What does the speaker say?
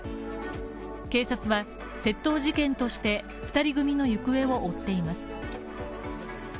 警察は窃盗事件として２人組の行方を追っています。